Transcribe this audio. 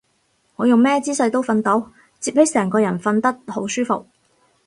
我用咩姿勢都瞓到，摺起成個人瞓得好舒服